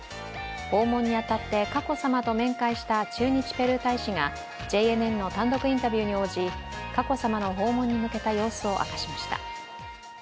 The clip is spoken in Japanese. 訪問に当たって佳子さまと面会した駐日ペルー大使がＪＮＮの単独インタビューに応じ、佳子さまの訪問に向けた様子を明かしました。